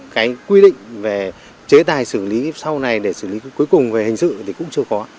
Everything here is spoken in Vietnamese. cái quy định về chế tài xử lý sau này để xử lý cuối cùng về hình sự thì cũng chưa có